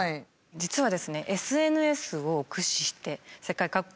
実はですね